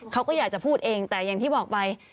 เขาก็อยากจะพูดเองแต่อย่างที่บอกไป